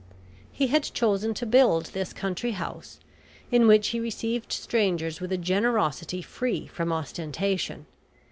He had chosen to build this country house, in which he received strangers with a generosity free from ostentation.